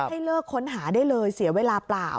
ให้เลิกค้นหาได้เลยเสียเวลาเปล่า